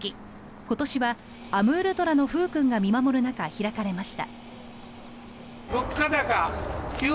今年はアムールトラの風くんが見守る中行われました。